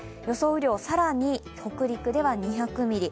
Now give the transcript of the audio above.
雨量、更に北陸では２００ミリ